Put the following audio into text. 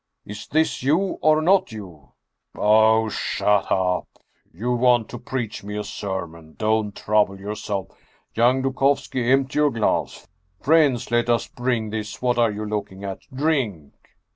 " Is this you or not you !"" Oh, shut up ! You want to preach me a sermon? Don't trouble yourself! Young Dukovski, empty your glass! Friends, let us bring this What are you looking at? Drink!"